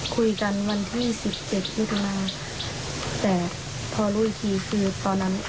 คุยกันวันที่สิบเจ็ดมิถุนาแต่พอรู้อีกทีคือตอนนั้น